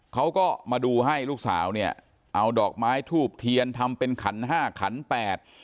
เขาก็มาดูให้ลูกสาวเนี่ยเอาดอกไม้ทูบเทียนทำเป็นขันห้าขันแปด